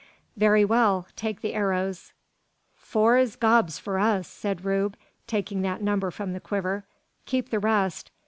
"Very well! take the arrows." "Four's gobs for us," said Rube, taking that number from the quiver. "Keep the rest.